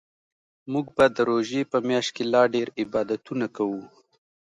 موږ به د روژې په میاشت کې لا ډیرعبادتونه کوو